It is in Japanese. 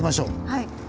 はい。